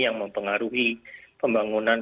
yang mempengaruhi pembangunan